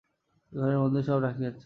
এই ঘরের মধ্যেই সব রাখিয়াছি।